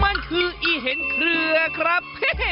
มันคืออีเห็นเครือครับ